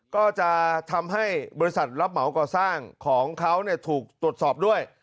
ก็จะทำให้บริษัทรับเหมาก่อสร้างของเขาถูกตรวจสอบด้วย